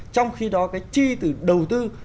trong khi đó cái chi từ đầu tư